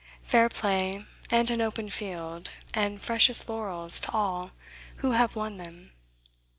Fair play, and an open field, and freshest laurels to all who have won them!